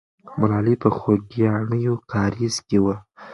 ملالۍ په خوګیاڼیو کارېز کې وه.